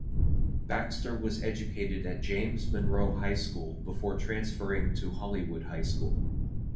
Baxter was educated at James Monroe High School before transferring to Hollywood High School.